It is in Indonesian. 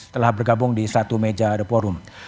telah bergabung di satu meja the forum